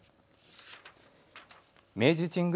明治神宮